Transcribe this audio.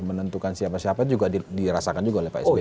menentukan siapa siapa juga dirasakan juga oleh pak sby